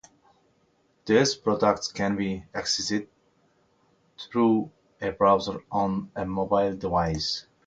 These products can be accessed through a browser on a mobile device.